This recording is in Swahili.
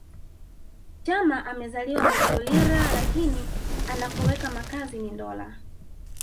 Chama amezaliwa Mufulira lakini anakoweka makazi ni Ndola